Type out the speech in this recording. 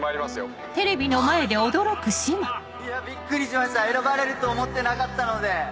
びっくりしました選ばれると思ってなかったので。